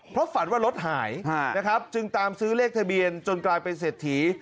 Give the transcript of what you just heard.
เพราะฝันว่ารถหายนะครับจึงตามซื้อเลขทะเบียนจนกลายเป็นเศรษฐี